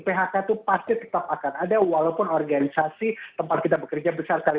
phk itu pasti tetap akan ada walaupun organisasi tempat kita bekerja besar sekali